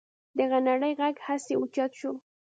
د غنړې غږ هسې اوچت شو.